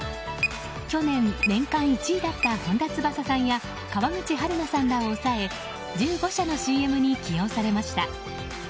去年、年間１位だった本田翼さんや川口春奈さんらを抑え１５社のＣＭに起用されました。